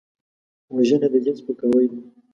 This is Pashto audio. وژنه د دین سپکاوی دی